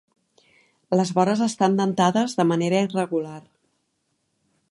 Les vores estan dentades de manera irregular.